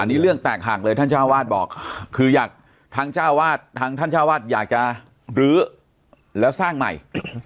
อันนี้เรื่องแตกหากเลยท่านชาวาสบอกคืออยากท่านชาวาสอยากจะลื้อแล้วสร้างใหม่